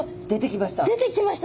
出てきました。